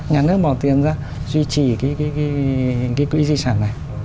nhà nước bỏ tiền ra duy trì cái quỹ di sản này